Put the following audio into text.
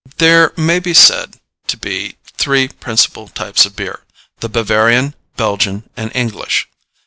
There may be said to be three principal types of beer the Bavarian, Belgian, and English.